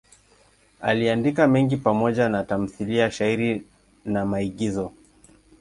Aliandika mengi pamoja na tamthiliya, shairi na maigizo.